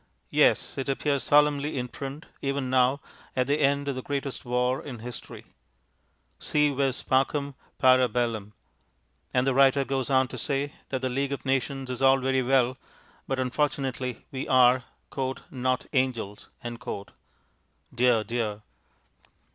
Yes, it appears solemnly in print, even now, at the end of the greatest war in history. Si vis pacem, para bellum. And the writer goes on to say that the League of Nations is all very well, but unfortunately we are "not angels." Dear, dear!